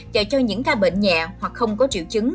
và cho những ca bệnh nhẹ hoặc không có triệu chứng